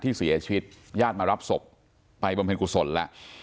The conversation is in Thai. ที่เสียชีวิตญาติมารับศพไปบำเพ็ญกุศลแล้ว